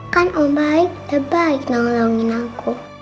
kan om baik terbaik nolongin aku